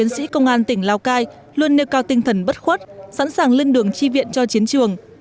trong hai cuộc kháng chiến của dân tộc cán bộ chiến sĩ công an tỉnh lào cai luôn nêu cao tinh thần bất khuất sẵn sàng lên đường tri viện cho chiến trường